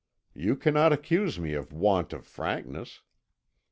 You cannot accuse me of a want of frankness.